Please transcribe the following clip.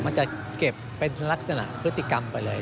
มันจะเก็บเป็นลักษณะพฤติกรรมไปเลย